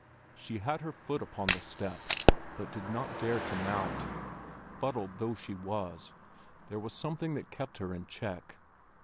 She had her foot upon the step, but did not dare to mount. Fuddled though she was, there was something that kept her in check.